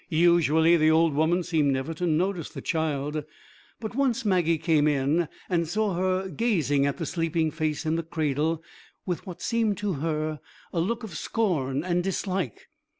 Usually the old woman seemed never to notice the child; but once Maggie came in and saw her gazing at the sleeping face in the cradle with what seemed to her a look of scorn and dislike.